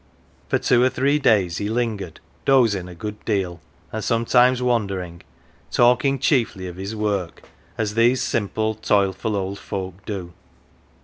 For two or three days he lingered, dozing a good deal, and sometimes wandering, talk ing chiefly of his work, as these simple, toilful old folk do.